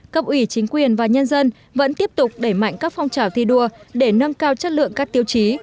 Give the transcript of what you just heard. cấp ủy chính quyền và nhân dân vẫn tiếp tục đẩy mạnh các phong trào thi đua để nâng cao chất lượng các tiêu chí